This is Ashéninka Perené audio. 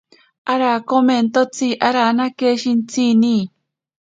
Arakomentotsi aranake shintsini.